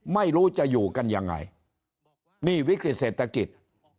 ไม่รู้จะอยู่กันยังไงนี่วิกฤติเศรษฐกิจ